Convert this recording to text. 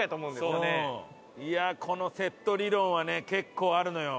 このセット理論は結構あるのよ